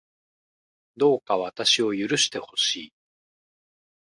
どうか私を許してほしい